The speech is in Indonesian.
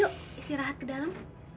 yuk istirahat ke dalam